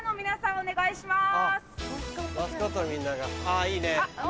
お願いします。